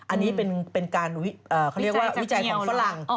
อันนี้เป็นการเขาเรียกว่าวิจัยของฝรั่ง